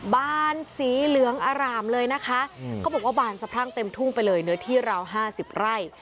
บานสีเหลืองอร่ามเลยนะคะเขาบอกว่าบานสะพรั่งเต็มทุ่งไปเลยเนื้อที่ราว๕๐ไร่